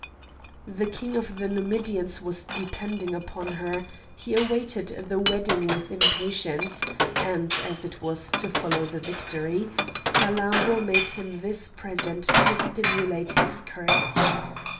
The king of the Numidians was depending upon her; he awaited the wedding with impatience, and, as it was to follow the victory, Salammbô made him this present to stimulate his courage.